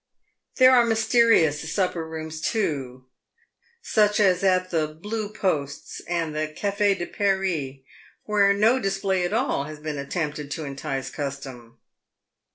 There are mysterious supper rooms, too, such as at the " Blue Posts" and the " Cafe de Paris," where no display at all has been at tempted to entice custom.